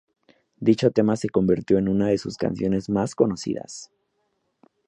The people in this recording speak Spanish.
Dicho tema se convirtió en una de sus canciones más conocidas.